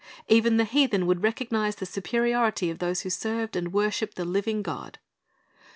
Even the heathen would recognize the superiority of those who served and worshiped the living God.